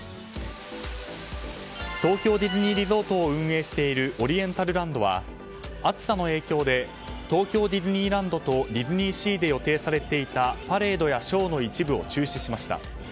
東京ディズニーリゾートを運営しているオリエンタルランドは暑さの影響で東京ディズニーランドとディズニーシーで予定されていたパレードやショーの一部を中止しました。